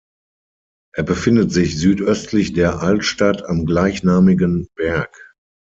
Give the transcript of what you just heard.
Er befindet sich südöstlich der Altstadt am gleichnamigen Berg.